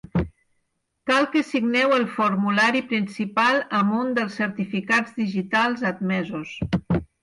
Cal que signeu el formulari principal amb un dels certificats digitals admesos.